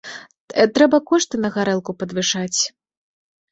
Трэба кошты на гарэлку падвышаць.